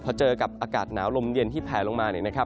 พอเจอกับอากาศหนาวลมเย็นที่แผ่ลงมา